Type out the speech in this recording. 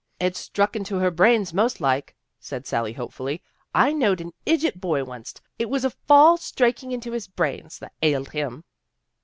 "It's struck into her brains most like," said Sally hopefully. " I knowed an idget boy onct. It was a fall striking into his brains that ailed him."